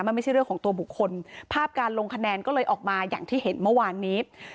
มันไม่ใช่เรื่องของตัวบุคคลภาพการลงคะแนนก็เลยออกมาอย่างที่เห็นเมื่อวานนี้